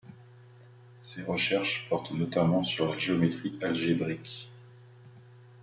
Ses recherches portent notamment sur la géométrie algébrique.